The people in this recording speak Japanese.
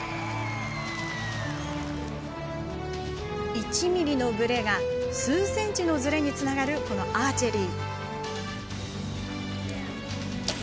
１ｍｍのぶれが数センチのずれにつながるアーチェリー。